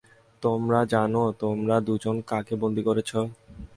তোমরা জানো তোমরা দুজন কাকে বন্দি করেছ?